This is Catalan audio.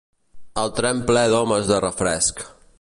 El tren ple d'homes de refresc